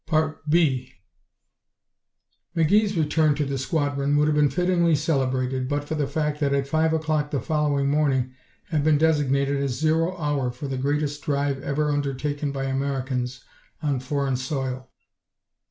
2 McGee's return to the squadron would have been fittingly celebrated but for the fact that five o'clock the following morning had been designated as "zero hour" for the greatest drive ever undertaken by Americans on foreign soil.